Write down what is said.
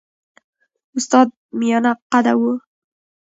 استاد میانه قده وو.